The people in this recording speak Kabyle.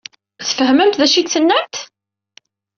Tfehmemt d acu ay d-tennamt?